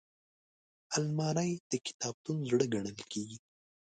الماري د کتابتون زړه ګڼل کېږي